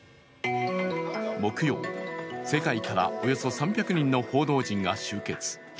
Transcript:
木曜、世界からおよそ３００人の報道陣が集結。